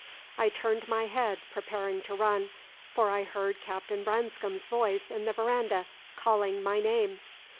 I turned my head, preparing to run, for I heard Captain Branscome's voice in the verandah, calling my name.